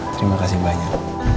terima kasih banyak